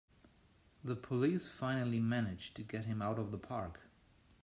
The police finally manage to get him out of the park!